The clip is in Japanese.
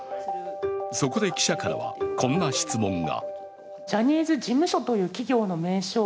そこで記者からは、こんな質問が。